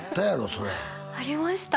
それありました